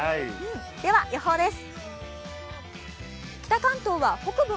では予報です。